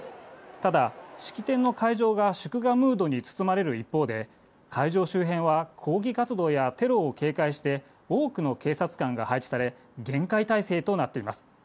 ただ式典の会場が祝賀ムードに包まれる一方で、会場周辺は抗議活動やテロを警戒して、多くの警察官が配置され、厳戒態勢となっています。